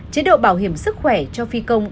chế độ bảo hiểm sức khỏe cho phi công